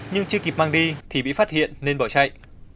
nhưng chưa kịp mang đi thì bị phát hiện nên bỏ chạy